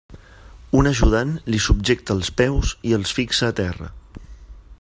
Un ajudant li subjecta els peus i els fixa a terra.